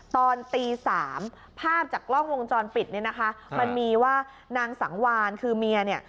ตอนตีสามภาพจากกล้องวงจรปิดเนี่ยนะคะมันมีว่านางสังวานคือเมียเนี่ย